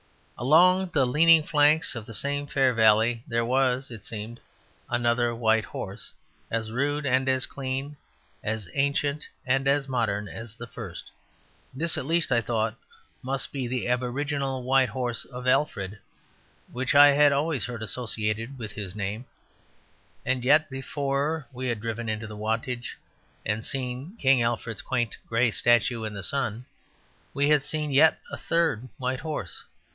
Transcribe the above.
Along the leaning flanks of the same fair valley there was (it seemed) another white horse; as rude and as clean, as ancient and as modern, as the first. This, at least, I thought must be the aboriginal White Horse of Alfred, which I had always heard associated with his name. And yet before we had driven into Wantage and seen King Alfred's quaint grey statue in the sun, we had seen yet a third white horse.